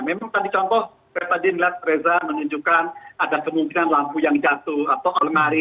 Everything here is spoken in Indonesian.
memang tadi contoh saya tadi melihat reza menunjukkan ada kemungkinan lampu yang jatuh atau almari